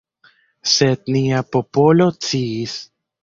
Sed nia popolo sciis.